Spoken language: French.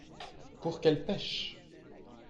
pour qu'elle pêche.